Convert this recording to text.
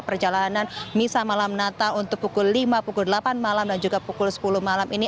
perjalanan misa malam natal untuk pukul lima pukul delapan malam dan juga pukul sepuluh malam ini